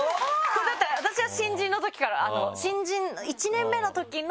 だって私は新人のときから。